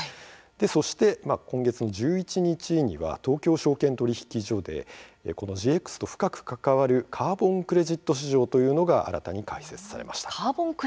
さらに今月の１１日には東京証券取引所でこのＧＸと深く関わるカーボン・クレジット市場というのが新たに開設されました。